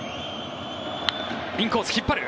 インコース引っ張る。